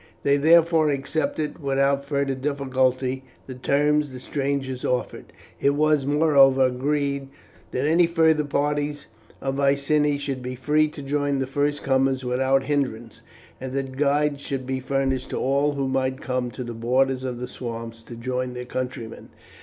They therefore accepted, without further difficulty, the terms the strangers offered. It was, moreover, agreed that any further parties of Iceni should be free to join the first comers without hindrance, and that guides should be furnished to all who might come to the borders of the swamps to join their countrymen.